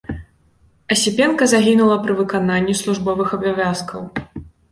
Асіпенка загінула пры выкананні службовых абавязкаў.